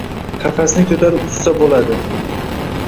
Qafasni ko‘tarib uchsa bo‘ladi…